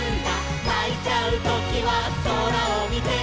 「泣いちゃうときは空をみて」